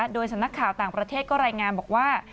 โดยสำนักข่าวต่างประเทศก็รายงานบอกว่า